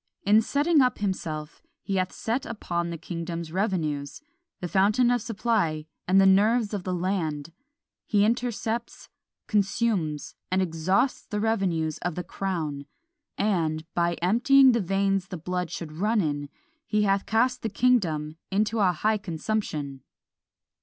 In setting up himself he hath set upon the kingdom's revenues, the fountain of supply, and the nerves of the land. He intercepts, consumes, and exhausts the revenues of the crown; and, by emptying the veins the blood should run in, he hath cast the kingdom into a high consumption."